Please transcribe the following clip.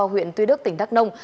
huyện tuy đức tỉnh đắc nông